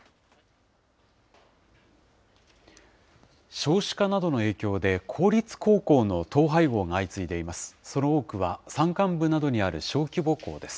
少子化などの影響で、公立高校の統廃合が相次いでいます。